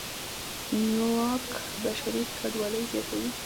نیواک بشري کډوالۍ زیاتوي.